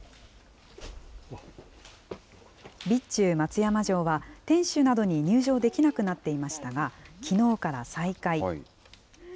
備中松山城は天守などに入場できなくなっていましたが、きのうから再開。